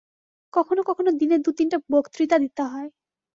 কখনও কখনও দিনে দু-তিনটা বক্তৃতা দিতে হয়।